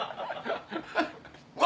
「うわ！